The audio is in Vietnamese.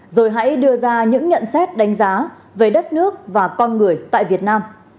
rồi hãy đưa ra những nhận xét đánh giá về đất nước và con người tại việt nam